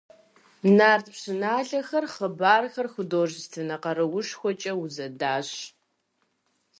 Нарт пшыналъэхэр, хъыбархэр художественнэ къаруушхуэкӏэ узэдащ.